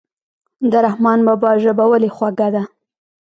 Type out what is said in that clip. د رحمان بابا ژبه ولې خوږه ده.